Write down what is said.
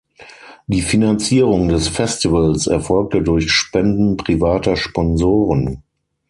Die Finanzierung des Festivals erfolgte durch Spenden privater Sponsoren.